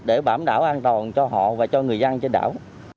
để bảm đảo an toàn cho họ và cho người dân trên đảo